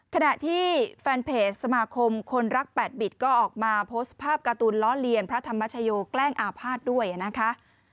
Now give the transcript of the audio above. ขณะที่แฟนเพจสมาคมคนรักแปดบิดก็ออกมาโพสต์ภาพการ์ตูนล้อเลียนพระธรรมชโยแกล้งอาภาษณ์ด้วยนะคะ